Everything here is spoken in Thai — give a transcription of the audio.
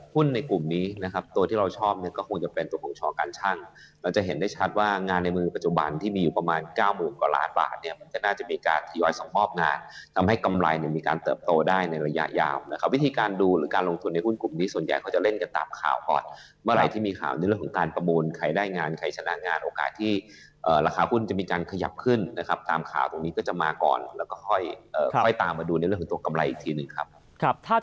หุ้นในกลุ่มนี้นะครับตัวที่เราชอบก็คงจะเป็นตัวผงชอการชั่งเราจะเห็นได้ชัดว่างานในมือปัจจุบันที่มีอยู่ประมาณ๙หมู่กว่าล้านบาทเนี่ยมันก็น่าจะมีการทียอยส่งมอบงานทำให้กำไรมีการเติบโตได้ในระยะยาวนะครับวิธีการดูและการลงทุนในหุ้นกลุ่มนี้ส่วนใหญ่เขาจะเล่นกันตามข่าวก่อนเมื่อไหร่ที่ม